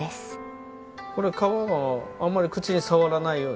これ皮があんまり口にさわらないように。